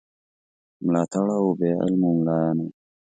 ملاتړو او بې علمو مُلایانو.